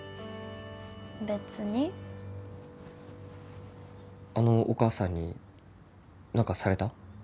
べつにあのお母さんに何かされた？